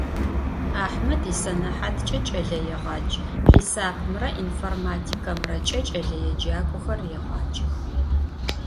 Ахьмэд исэнэхьаткӀэ кӀэлэегъадж, хьисапымрэ информатикэмрэкӀэ кӀэлэеджакӀохэр регъаджэх.